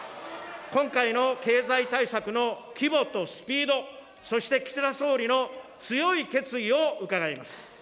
今回の経済対策の規模とスピード、そして岸田総理の強い決意を伺います。